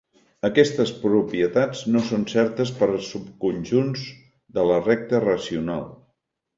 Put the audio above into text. Aquestes propietats no són certes per a subconjunts de la recta racional.